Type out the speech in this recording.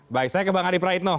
baik saya ke bang adi praitno